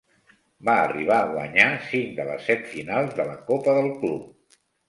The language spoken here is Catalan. Va arribar a guanyar cinc de les set finals de la copa del club.